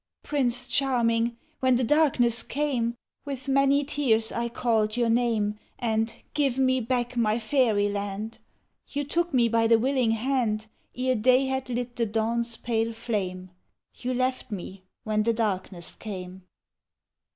Prince Charming, when the darkness came, With many tears I called your name, And ' Give me back my fairyland !' You took me by the willing hana Ere day had lit the dawn's pale flame ; You left me when the darkness came.